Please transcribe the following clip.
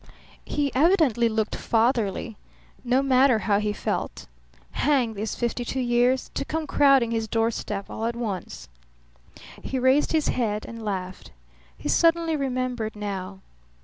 He evidently looked fatherly, no matter how he felt. Hang these fifty two years, to come crowding his doorstep all at once! He raised his head and laughed. He suddenly remembered now.